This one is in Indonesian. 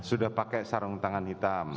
sudah pakai sarung tangan hitam